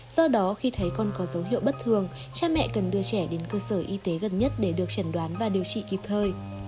do đó khi thấy con có dấu hiệu bất thường cha mẹ cần đưa trẻ đến cơ sở y tế gần nhất để được trần đoán và điều trị kịp thời